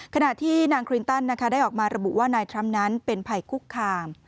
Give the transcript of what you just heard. ขณะที่นางคลินตันได้ออกมาระบุว่านายทรัมป์นั้นเป็นภัยคุกคาม